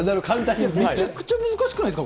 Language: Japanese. めちゃくちゃ難しくないです